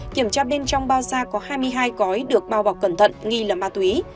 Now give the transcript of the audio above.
kiểm tra bên trong bao da có hai mươi hai gói được bao bọc cẩn thận nghi là ma túy